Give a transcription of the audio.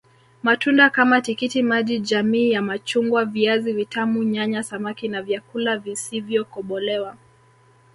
Matunda kama tikiti maji jamii ya machungwa viazi vitamu nyanya samaki na vyakula visivyokobolewa